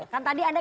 kan tadi anda